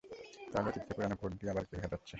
তাহলে অতীতকে পুরনো কোড দিয়ে কে আবার ঘাঁটাচ্ছে?